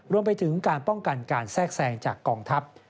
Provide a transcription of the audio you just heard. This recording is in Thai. รวมไปถึงการป้องกันการแทรกแทรงจากกองทัพ